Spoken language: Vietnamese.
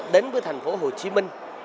đến với thành phố hồ chí minh